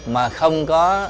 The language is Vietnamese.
mà không có